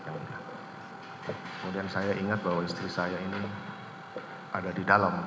kemudian saya ingat bahwa istri saya ini ada di dalam